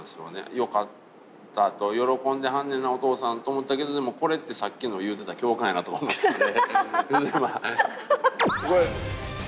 よかったと喜んではんねんなお父さんと思ったけどでもこれってさっきの言うてた中園さんはそのＶＴＲ見たんですね。